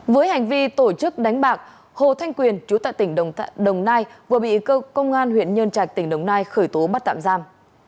với hành vi tổ chức đánh bạc hồ thanh quyền chú tại tỉnh đồng nai vừa bị cơ quan huyện nhân trạch tỉnh đồng nai khởi tố bắt tạm giam